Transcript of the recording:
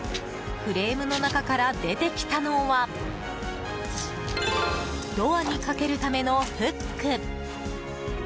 フレームの中から出てきたのはドアにかけるためのフック。